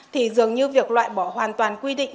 thì dường như việc loại bỏ hoàn toàn quy định